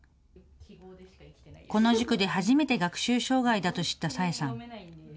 この塾で初めて学習障害だと知った紗英さん。